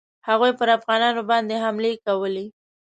هغوی پر افغانانو باندي حملې کولې.